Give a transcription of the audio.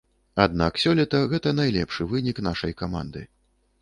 Аднак сёлета гэта найлепшы вынік нашай каманды.